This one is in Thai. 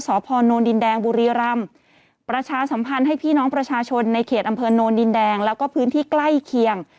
สพนดินแดงบุรีรำประชาสัมพันธ์ให้พี่น้องประชาชนในเขตอำเภอโนนดินแดงแล้วก็พื้นที่ใกล้เคียง